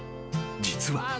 実は］